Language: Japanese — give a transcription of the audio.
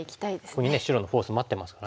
ここにね白のフォース待ってますからね。